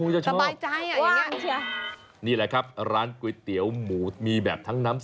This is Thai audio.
เจ้าของก็ถูกใจดิฉันว่า